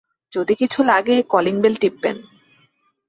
যদি কিছু লাগে, কলিং বেল টিপবেন।